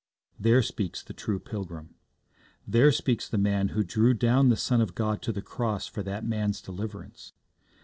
There speaks the true pilgrim. There speaks the man who drew down the Son of God to the cross for that man's deliverance.